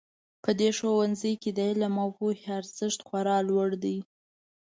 په دې ښوونځي کې د علم او پوهې ارزښت خورا لوړ ده